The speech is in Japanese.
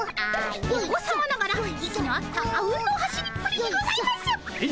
お子さまながら息の合ったあうんの走りっぷりにございます！